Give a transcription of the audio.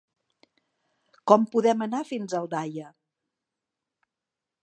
Com podem anar fins a Aldaia?